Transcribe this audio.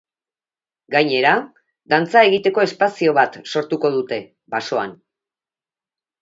Gainera, dantza egiteko espazio bat sortuko dute, basoan.